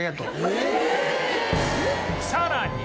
さらに